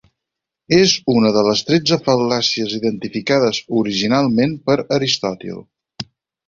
És una de les tretze fal·làcies identificades originalment per Aristòtil.